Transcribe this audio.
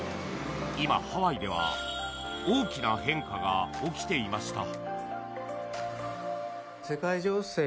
今、ハワイでは大きな変化が起きていました。